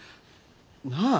なあ。